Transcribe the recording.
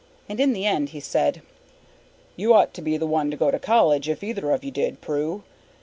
And in the end he said, "You ought to be the one to go to college if either of you did, Prue.